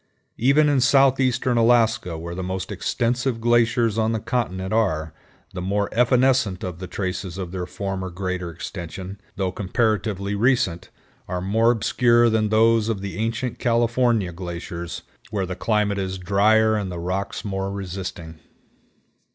Even in southeastern Alaska, where the most extensive glaciers on the continent are, the more evanescent of the traces of their former greater extension, though comparatively recent, are more obscure than those of the ancient California glaciers whore the climate is drier and the rocks more resisting.